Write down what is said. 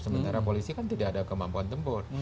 sementara polisi kan tidak ada kemampuan tempur